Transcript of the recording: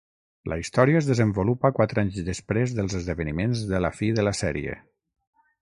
La història es desenvolupa quatre anys després dels esdeveniments de la fi de la sèrie.